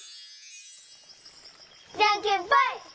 じゃんけんぽい！